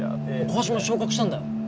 川島昇格したんだよ